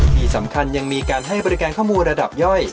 ที่สำคัญยังมีการให้บริการข้อมูลระดับย่อย